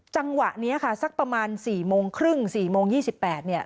จังหวะนี้สักประมาณ๔โมงครึ่งหรือ๔โมง๒๘